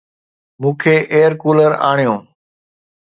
مون کي air cooler آڻيو